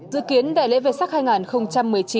dự kiến đại lễ vệ sắc hai nghìn một mươi chín